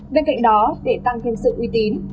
bên cạnh đó để tăng thêm sự uy tín